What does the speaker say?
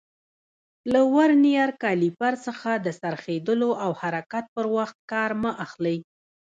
له ورنیر کالیپر څخه د څرخېدلو او حرکت پر وخت کار مه اخلئ.